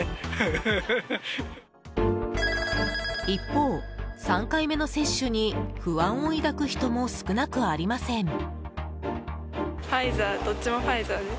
一方、３回目の接種に不安を抱く人も少なくありません。